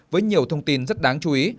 với nhiều thông tin rất đáng chú ý